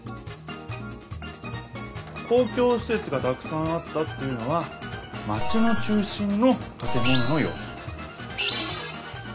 「公共しせつがたくさんあった」っていうのはまちの中心のたて物のようす。